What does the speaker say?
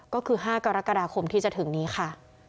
ก็คือ๕กรกฎาคมที่จะถึงนี้ค่ะ